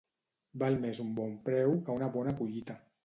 Val més un bon preu que una bona collita.